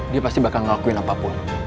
dia pasti bakal ngelakuin apapun